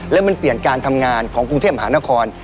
แล้วมันเปลี่ยนการทำงานของกรุงเทพมหานคร